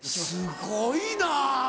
すごいな！